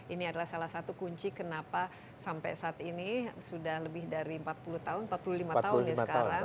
ini adalah salah satu kunci kenapa sampai saat ini sudah lebih dari empat puluh tahun empat puluh lima tahun ya sekarang